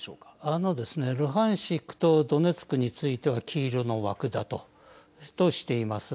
あのですねルハンシクとドネツクについては黄色の枠だとしています。